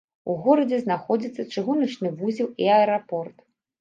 У горадзе знаходзяцца чыгуначны вузел і аэрапорт.